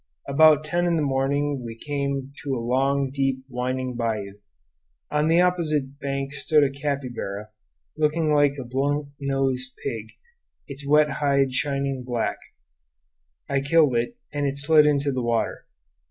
About ten in the morning we came to a long, deep, winding bayou. On the opposite bank stood a capybara, looking like a blunt nosed pig, its wet hide shining black. I killed it, and it slid into the water.